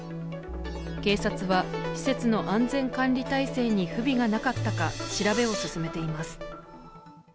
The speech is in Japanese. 警察は、施設の安全管理体制に不備がなかったか、調べを進めています。